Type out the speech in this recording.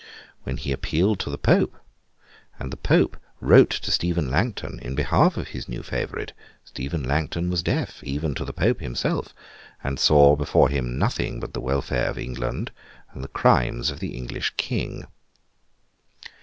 When he appealed to the Pope, and the Pope wrote to Stephen Langton in behalf of his new favourite, Stephen Langton was deaf, even to the Pope himself, and saw before him nothing but the welfare of England and the crimes of the English King.